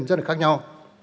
rất là khác nhau